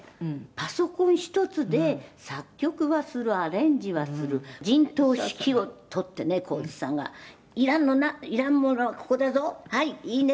「パソコンひとつで作曲はするアレンジはする」「陣頭指揮を執ってね神津さんが」「いらんのいらんものはここだぞ！」「はいいいね？